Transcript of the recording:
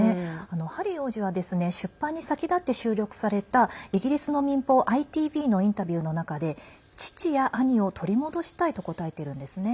ハリー王子は出版に先立って収録されたイギリスの民放ＩＴＶのインタビューの中で父や兄を取り戻したいと答えているんですね。